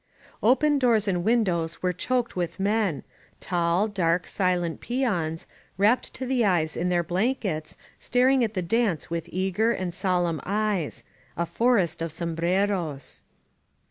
Open doors and windows were choked with men — ^tall, dark, silent peons, wrapped to the eyes in their blank ets, staring at the dance with eager and solemn eyes, a forest of sombreros.